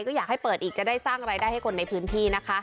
ก็อยากให้เปิดอีกจะได้สร้างรายได้ให้คนในพื้นที่นะคะ